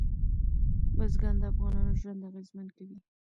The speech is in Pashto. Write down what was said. بزګان د افغانانو ژوند اغېزمن کوي.